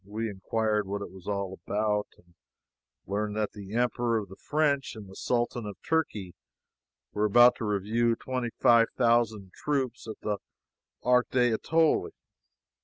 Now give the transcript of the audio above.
We inquired what it was all about and learned that the Emperor of the French and the Sultan of Turkey were about to review twenty five thousand troops at the Arc de l'Etoile.